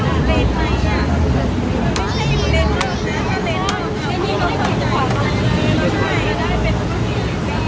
ถ้าเมื่อพี่แม่กำลังกลับสู่ประเภทมีเนี่ยก็จะเป็นความว่ามีรสตรีก็ได้ถูกภาพกัน